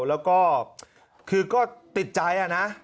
แล้วก็คือก็ติดใจนะ